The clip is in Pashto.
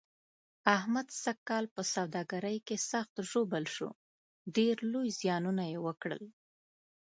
احمد سږ کال په سوداګرۍ کې سخت ژوبل شو، ډېر لوی زیانونه یې وکړل.